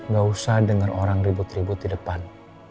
gak usah dengar orang ribut ribut di depan